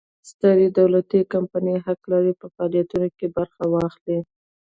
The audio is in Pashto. سترې دولتي کمپنۍ حق لري په فعالیتونو کې برخه واخلي.